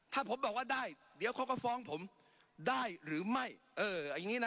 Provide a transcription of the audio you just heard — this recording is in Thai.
ถ้าผมบอกว่าได้เดี๋ยวเขาก็ฟ้องผมได้หรือไม่เอออย่างงี้นะ